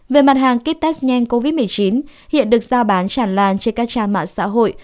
về mặt hàng kit test nhanh covid một mươi chín hiện được giao bán tràn lan trên các trang mạng xã hội